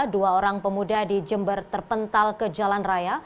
dua orang pemuda di jember terpental ke jalan raya